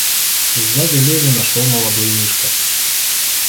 Сзади Левина шел молодой Мишка.